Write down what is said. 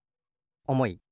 おもい。